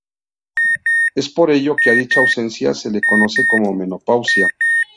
Es por ello que a dicha ausencia se le conoce como menopausia.